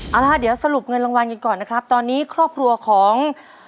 เอาล่ะเดี๋ยวสรุปเงินรางวัลกันก่อนนะครับตอนนี้ครอบครัวของ